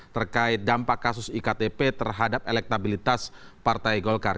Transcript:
terkait dampak kasus iktp terhadap elektabilitas partai golkar